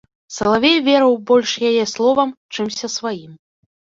Салавей верыў больш яе словам, чымся сваім.